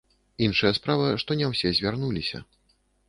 Іншая справа, што не ўсе звярнуліся.